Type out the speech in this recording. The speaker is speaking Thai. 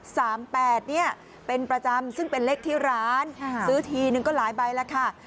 แปดเนี่ยเป็นประจำซึ่งเป็นเลขที่ร้านค่ะซื้อทีนึงก็หลายใบแล้วค่ะ